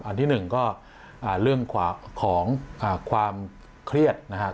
ที่หนึ่งก็เรื่องของความเครียดนะครับ